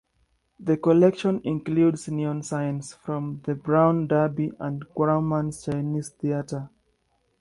The collection includes neon signs from the Brown Derby and Grauman's Chinese Theatre.